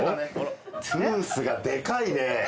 トゥースがでかいね。